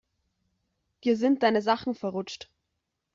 Dir sind deine Sachen verrutscht.